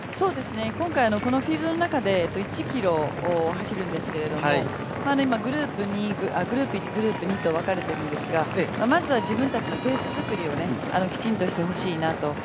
今回、このフィールドの中で１キロを走るんですけど今グループ１、グループ２と分かれてるんですがまずは自分たちのペース作りをきちんとしてほしいなと。